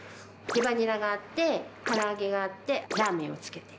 レバニラがあって、から揚げがあって、ラーメンを付けて。